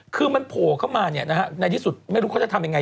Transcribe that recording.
คือมันโผล่เข้ามาในที่สุดไม่รู้เขาจะทำยังไง